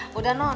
hah udah non